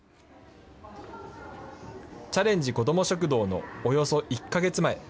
チャレンジこども食堂のおよそ１か月前。